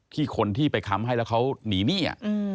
คนที่ไปค้ำให้แล้วเขาหนีหนี้